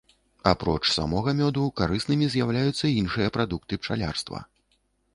Апроч самога мёду, карыснымі з'яўляюцца іншыя прадукты пчалярства.